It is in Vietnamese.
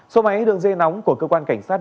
số máy đường dây nóng của cơ quan cảnh sát